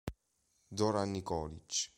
Zoran Nikolić